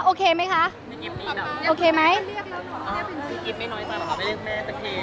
พี่กิ๊บไม่น่อยจัแล้วหรอคะไม่ได้เรียกแม่ซะเค